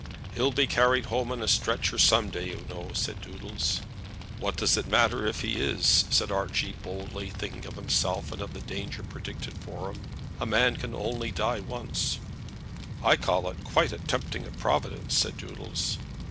"He'll be carried home on a stretcher some day, you know," said Doodles. "What does it matter if he is?" said Archie, boldly, thinking of himself and of the danger predicted for him. "A man can only die once." "I call it quite a tempting of Providence," said Doodles.